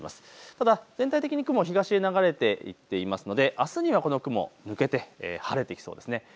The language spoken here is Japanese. ただ全体的に雲は東に流れていっていますのであすにはこの雲抜けて晴れてきそうです。